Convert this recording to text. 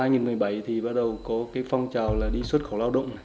năm hai nghìn một mươi bảy thì bắt đầu có phong trào đi xuất khẩu lao động